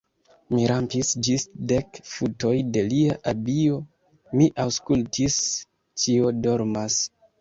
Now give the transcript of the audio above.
Mi rampis ĝis dek futoj de lia abio, mi aŭskultis: ĉio dormas.